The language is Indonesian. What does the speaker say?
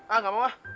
ah gak mau ah